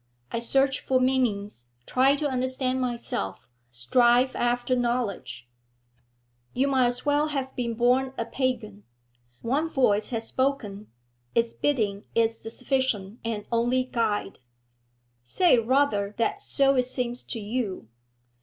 I search for meanings, try to understand myself, strive after knowledge.' 'You might as well have been born a pagan. One voice has spoken; its bidding is the sufficient and only guide.' 'Say rather that so it seems to you.